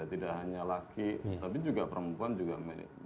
tidak hanya laki tapi juga perempuan juga memiliki